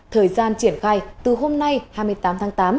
thời gian triển khai từ hôm nay hai mươi tám tháng tám